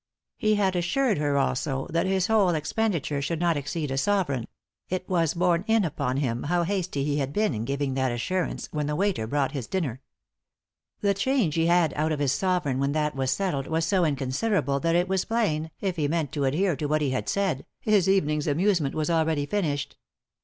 He had assured her, also, that his whole expenditure should not exceed a sovereign ; it was borne in upon him how hasty he had been in giving that assurance when the waiter brought his dinner. The change he had out of his sovereign when that was settled was so inconsiderable that it was plain, if he meant to adhere to what he had said, his evening's amuse ment was already finished.